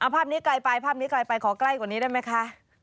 ภาพนี้ไกลไปขอใกล้กว่านี้ได้ไหมคะ